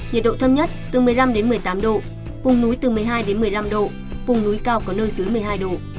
nhiệt độ thấp nhất từ một mươi năm đến một mươi tám độ vùng núi từ một mươi hai đến một mươi năm độ vùng núi cao có nơi dưới một mươi hai độ